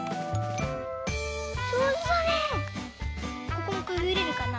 ここもくぐれるかな？